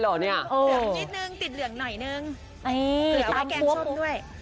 เหลืองนิดนึงติดเหลืองหน่อยนึงเผื่อเอาไว้แกล้งส้มด้วย